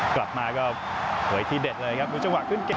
กลับมาก็เผยทีเด็ดเลยครับดูจังหวะขึ้นเกม